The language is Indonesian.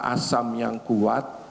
asam yang kuat